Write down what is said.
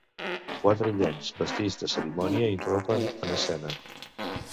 Quatre illencs vestits de cerimònia irrompen en escena.